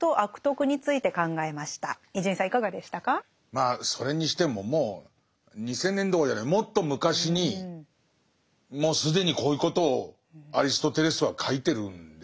まあそれにしてももう２，０００年どころじゃないもっと昔にもう既にこういうことをアリストテレスは書いてるんですね。